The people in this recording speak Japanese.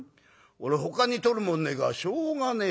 俺ほかに取るもんねえからしょうがねえ